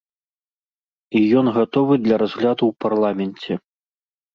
І ён гатовы для разгляду ў парламенце.